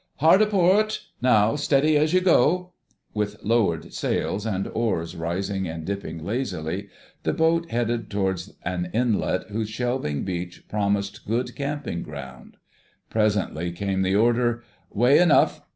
"Hard a port! Now, steady as you go!" With lowered sails and oars rising and dipping lazily, the boat headed towards an inlet whose shelving beach promised good camping ground. Presently came the order— "Way enough!"